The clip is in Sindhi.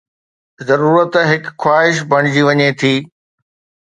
ضرورت هڪ خواهش بڻجي وڃي ٿي.